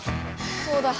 そうだ。